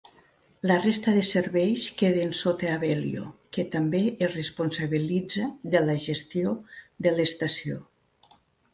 La resta de serveis queden sota Abellio, que també es responsabilitza de la gestió de l'estació.